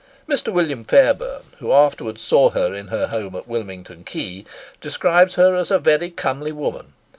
Mr. William Fairbairn, who afterwards saw her in her home at Willington Quay, describes her as a very comely woman.